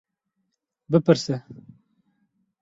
Bipirse.